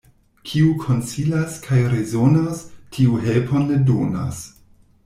Kiu konsilas kaj rezonas, tiu helpon ne donas.